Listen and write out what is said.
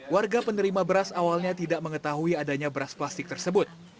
warga penerima beras awalnya tidak mengetahui adanya beras plastik tersebut